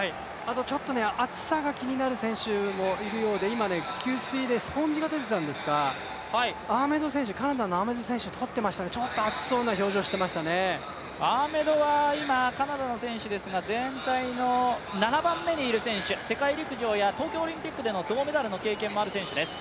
ちょっと暑さが気になる選手もいるようで今、給水でスポンジが出ていたんですが、カナダのアーメド選手が取っていましたアーメドは今、カナダの選手ですが全体の７番目にいる選手、世界陸上や東京オリンピックでの銅メダルの経験もある選手です。